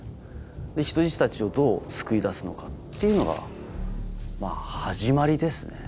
で人質たちをどう救い出すのかっていうのが始まりですね。